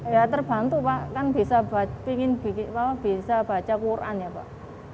ya terbantu pak kan bisa baca qur an ya pak